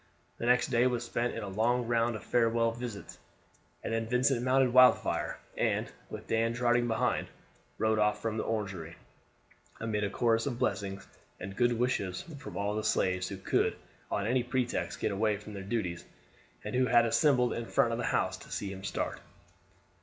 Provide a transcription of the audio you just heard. The next day was spent in a long round of farewell visits, and then Vincent mounted Wildfire, and, with Dan trotting behind, rode off from the Orangery amid a chorus of blessings and good wishes from all the slaves who could on any pretext get away from their duties, and who had assembled in front of the house to see him start.